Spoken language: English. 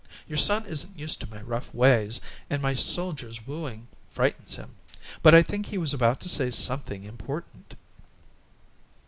Your son isn't used to my rough ways, and my soldier's wooing frightens him, but I think he was about to say something important."